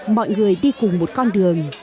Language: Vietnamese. mọi người đi cùng một con đường